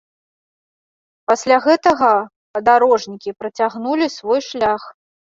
Пасля гэтага падарожнікі працягнулі свой шлях.